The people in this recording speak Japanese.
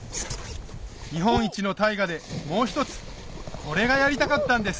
日本一の大河でもう１つこれがやりたかったんです